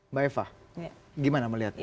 mbak eva gimana melihatnya